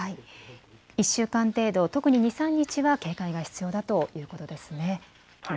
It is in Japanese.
１週間程度、特に２、３日は警戒が必要だということですね。